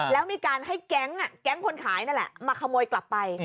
แล้วมีการให้แก๊งคนขายนั่นแหละมาขโมยกลับไป